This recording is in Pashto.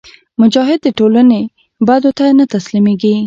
مجاهد د ټولنې بدو ته نه تسلیمیږي.